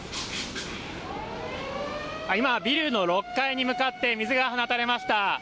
今、ビルの６階に向かって水が放たれました。